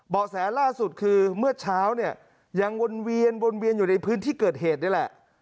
แสล่าสุดคือเมื่อเช้าเนี่ยยังวนเวียนวนเวียนอยู่ในพื้นที่เกิดเหตุนี่แหละ